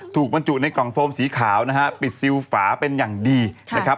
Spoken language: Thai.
บรรจุในกล่องโฟมสีขาวนะฮะปิดซิลฝาเป็นอย่างดีนะครับ